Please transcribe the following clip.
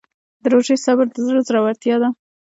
د روژې صبر د زړه زړورتیا ده.